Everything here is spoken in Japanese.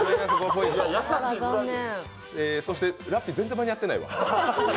そして、ラッピー、全然間に合ってないわ。